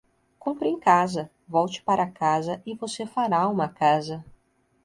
Compre em casa, volte para casa e você fará uma casa.